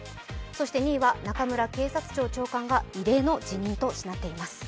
そして２位は中村警察庁長官が異例の辞任となっています。